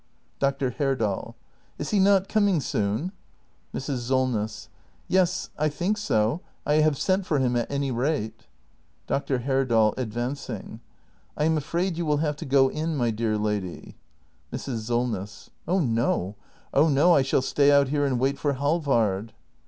Dr. Herdal. Is he not coming soon ? Mrs. Solness. Yes, I think so. I have sent for him at any rate. Dr. Herdal. [Advancing.] I am afraid you will have to go in, my dear lady Mrs. Solness. Oh no! Oh no! I shall stay out here and wait for Halvard.